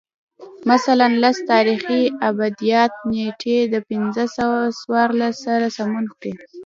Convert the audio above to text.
مثلاً لس تاریخي آبدات نېټې د پنځه سوه څوارلس سره سمون خوري